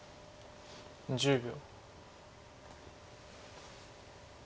１０秒。